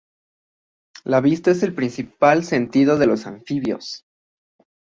La vista es el principal sentido en los anfibios.